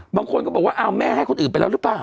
บางคนก็บอกว่าเอาแม่ให้คนอื่นไปแล้วหรือเปล่า